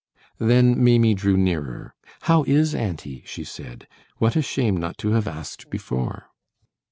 Then Maimie drew nearer. "How is auntie?" she said. "What a shame not to have asked before!"